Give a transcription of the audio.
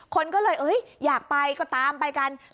คนก็เลยอยากไปก็ตามไปกัน